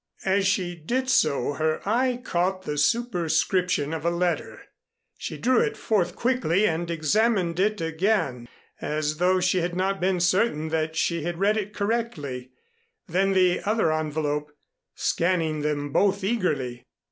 As she did so her eye caught the superscription of a letter. She drew it forth quickly and examined it again as though she had not been certain that she had read it correctly; then the other envelope, scanning them both eagerly.